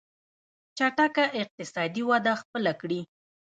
چټکه اقتصادي وده خپله کړي.